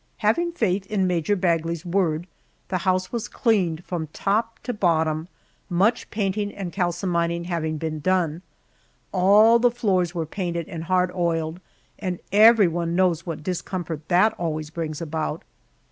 Having faith in Major Bagley's word, the house was cleaned from top to bottom, much painting and calcimining having been done. All the floors were painted and hard oiled, and everyone knows what discomfort that always brings about.